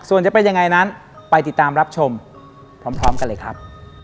ส่วนจะเป็นยังไงนั้นไปติดตามรับชมพร้อมกันเลยครับ